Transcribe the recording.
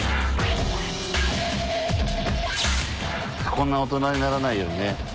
こんな大人にならないようにね。